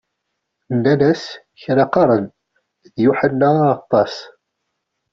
Nnan-as: Kra qqaren: d Yuḥenna Aɣeṭṭaṣ.